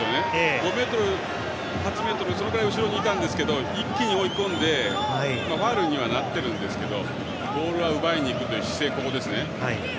５ｍ、８ｍそのぐらい後ろにいたんですが一気に追い込んでファウルにはなっているんですがボールは奪いにいくという姿勢。